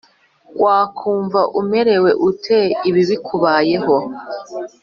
Wakumva umerewe ute ibi bikubayeho